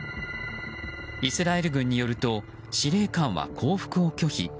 イスラエル軍によると司令官は降伏を拒否。